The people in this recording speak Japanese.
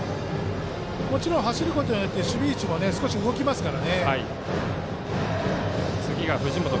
もちろん走ることで守備位置も動きますから。